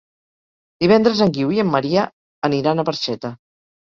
Divendres en Guiu i en Maria aniran a Barxeta.